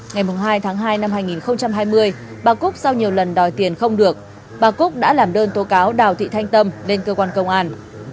ngày hai tháng hai năm hai nghìn hai mươi bà cúc sau nhiều lần đòi tiền không được bà cúc đã làm đơn tố cáo đào thị thanh tâm lên cơ quan công an